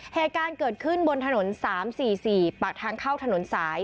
เหตุการณ์เกิดขึ้นบนถนน๓๔๔ปากทางเข้าถนนสาย